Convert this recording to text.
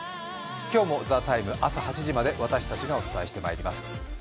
今日も「ＴＨＥＴＩＭＥ，」朝８時まで私たちがお伝えしていきます。